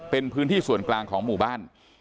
เป็นพื้นที่ส่วนกลางของหมู่บ้าน